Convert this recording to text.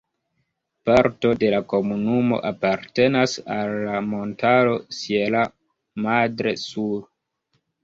Parto de la komunumo apartenas al la montaro "Sierra Madre Sur".